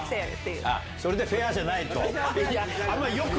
それでフェアじゃない！と。